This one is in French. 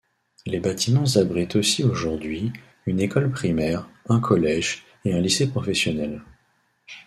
Les bâtiments abritent aussi aujourd'hui, une école primaire, un collège et un lycée professionnel.